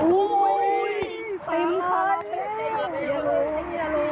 โอ้โฮ